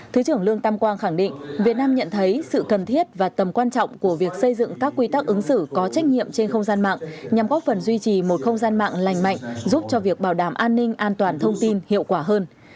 thứ trưởng lương tam quang khẳng định việt nam nhận thấy sự cần thiết và tầm quan trọng của việc xây dựng các quy tắc ứng xử có trách nhiệm trên không gian mạng nhằm góp phần duy trì một không gian mạng lành mạnh giúp cho việc bảo đảm an ninh an toàn thông tin hiệu quả hơn